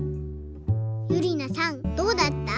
ゆりなさんどうだった？